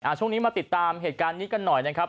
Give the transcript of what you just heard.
ช่วงนี้มาติดตามเหตุการณ์นี้กันหน่อยนะครับ